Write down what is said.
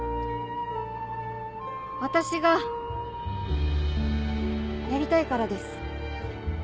私がやりたいからです。